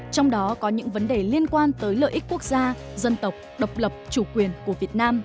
trong đó có những vấn đề liên quan tới lợi ích quốc gia dân tộc độc lập chủ quyền của việt nam